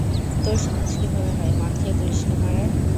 তোর সাহস কিভাবে হয় মদ খেয়ে পুলিশকে মারার?